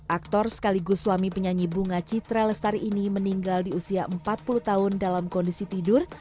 aktor sekaligus suami penyanyi bunga citra lestari ini meninggal di usia empat puluh tahun dalam kondisi tidur